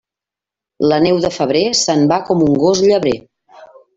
La neu de febrer se'n va com un gos llebrer.